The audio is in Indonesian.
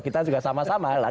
kita juga sama sama lah